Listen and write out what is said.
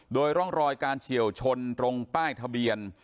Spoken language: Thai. โดยร่องรอยการเฉียวชนตรงป้ายทะเบียน